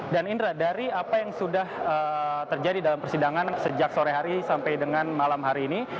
dan indra dari apa yang sudah terjadi dalam persidangan sejak sore hari sampai dengan malam hari ini